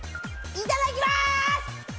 いただきます！